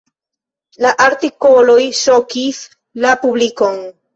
La artikoloj ŝokis la publikon.